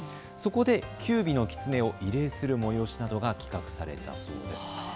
そこで九尾の狐を慰霊する催しなどが企画されたそうです。